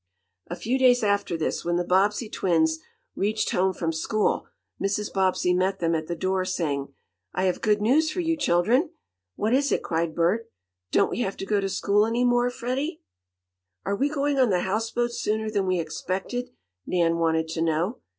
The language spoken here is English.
A few days after this, when the Bobbsey twins reached home from school, Mrs. Bobbsey met them at the door, saying: "I have good news for you, children!" "What is it?" cried Bert. "Don't we have to go to school any more?" Freddie. "Are we going on the houseboat sooner than we expected?" Nan wanted to know.